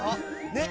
ねっ。